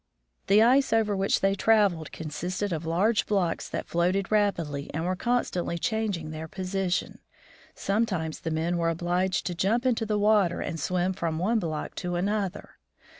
The ice over which they VOYAGE OF THE JEANNETTE J J traveled consisted of large blocks that floated rapidly and were constantly changing their position. Sometimes the men were obliged to jump into the water and swim from one block to another.